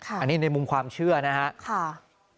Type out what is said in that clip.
อันนี้ในมุมความเชื่อนะครับ